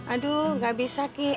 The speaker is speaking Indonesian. aduh gak bisa ki